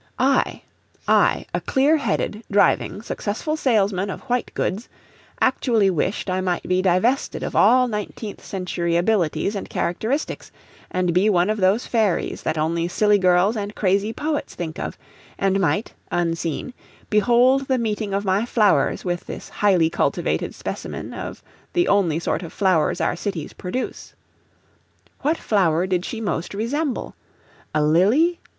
I I, a clear headed, driving, successful salesman of white goods actually wished I might be divested of all nineteenth century abilities and characteristics, and be one of those fairies that only silly girls and crazy poets think of, and might, unseen, behold the meeting of my flowers with this highly cultivated specimen of the only sort of flowers our cities produce. What flower did she most resemble? A lily?